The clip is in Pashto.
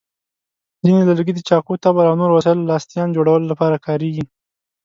ځینې لرګي د چاقو، تبر، او نورو وسایلو لاستیان جوړولو لپاره کارېږي.